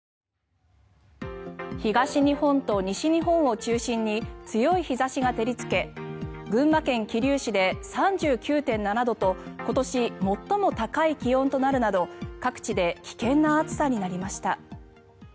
東日本と西日本を中心に強い日差しが照りつけ群馬県桐生市で３９．７度と今年最も高い気温となるなど各地で危険な暑さになりました。